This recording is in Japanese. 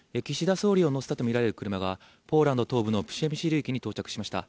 総理を乗せたとみられる車がポーランド東部のプシェミシル駅に到着しました。